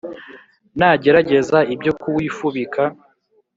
Nagerageza ibyo kuwifubika,